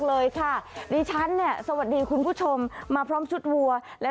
เลยค่ะดิฉันเนี่ยสวัสดีคุณผู้ชมมาพร้อมชุดวัวและ